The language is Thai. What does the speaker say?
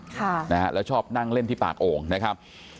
ค่ะนะฮะแล้วชอบนั่งเล่นที่ปากโอ่งนะครับ